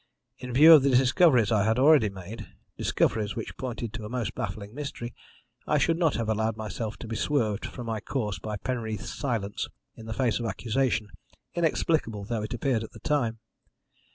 In view of the discoveries I had already made discoveries which pointed to a most baffling mystery I should not have allowed myself to be swerved from my course by Penreath's silence in the face of accusation, inexplicable though it appeared at the time.